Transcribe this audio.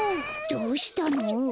どうしたの？